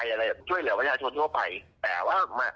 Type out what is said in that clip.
ที่เขาบอกอยู่ว่ารัฐราชการอยู่หรือว่าไง